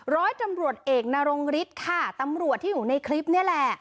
ร้อยตำรวจเอกนรงฤทธิ์ค่ะตำรวจที่อยู่ในคลิปนี่แหละ